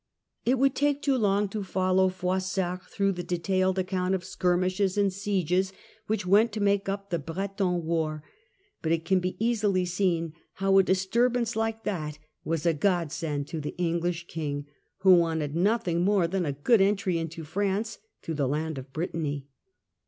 It would take too long to follow Froissart through the detailed account of skirmishes and sieges which went to make up the Breton war, but it can be easily seen how a disturbance like that was a godsend to the English King, who wanted nothing more than a good entry into France through the land of Brittany.